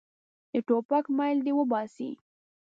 د ټوپک میل دې وباسي.